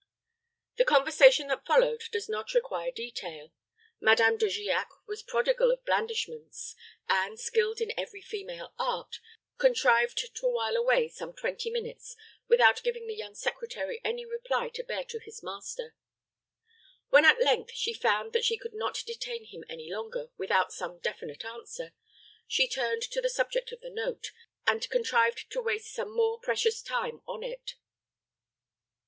The conversation that followed does not require detail. Madame De Giac was prodigal of blandishments, and, skilled in every female art, contrived to while away some twenty minutes without giving the young secretary any reply to bear to his master. When at length she found that she could not detain him any longer without some definite answer, she turned to the subject of the note, and contrived to waste some more precious time on it.